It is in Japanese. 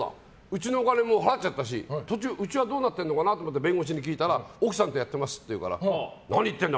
家のお金も払っちゃったしうちはどうなってるのかなと思って弁護士に聞いたら奥さんとやっていますって言うから何言ってんだ